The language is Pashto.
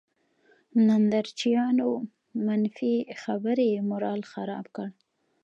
نندارچيانو، منفي خبرې یې مورال خراب کړ.